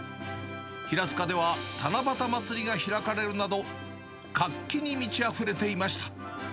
平塚では七夕まつりが開かれるなど、活気に満ちあふれていました。